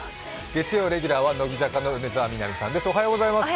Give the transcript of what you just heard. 月曜レギュラーは乃木坂４６の梅澤美波さんです。